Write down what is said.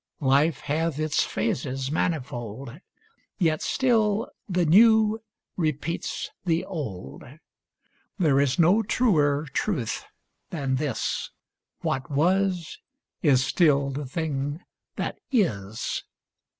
Life hath its phases manifold, Yet still the new repeats the old ; There is no truer truth than this : What was, is still the thing that is.